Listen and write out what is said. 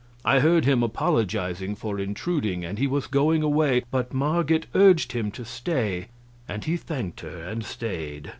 I heard him apologizing for intruding; and he was going away, but Marget urged him to stay, and he thanked her and stayed.